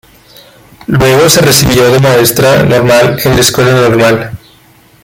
Luego se recibió de Maestra Normal en la Escuela Normal.